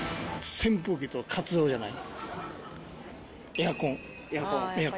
扇風機と活用じゃない。